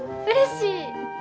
うれしい。